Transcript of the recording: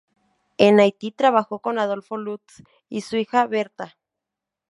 En Haití trabajó con Adolfo Lutz y su hija, Bertha.